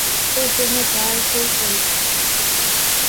تو ذمہ دار کوئی ایک کیوں؟